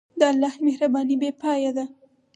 د الله مهرباني بېپایه ده.